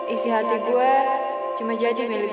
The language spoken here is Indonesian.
isi hati gue cuma jadi milik gua